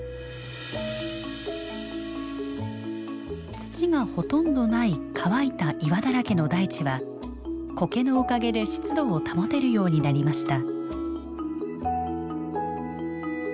土がほとんどない乾いた岩だらけの大地はコケのおかげで湿度を保てるようになりました。